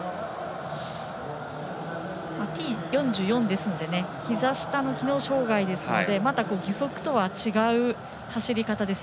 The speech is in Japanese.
Ｔ４４なのでひざ下の機能障がいですのでまた義足とは違う走り方です。